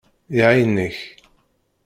Iɛeyyen-ak.